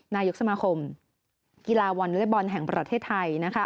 นายกับสมาคมกีฬาวลเลฟบอลแห่งประเทศไทยนะคะ